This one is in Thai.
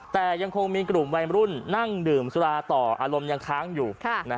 แต่ยังคงมีกลุ่มวัยรุ่นนั่งดื่มสุราต่ออารมณ์ยังค้างอยู่